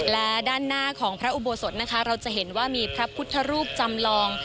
และด้านหน้าของพระอุโบสถนะคะเราจะเห็นว่ามีพระพุทธรูปจำลอง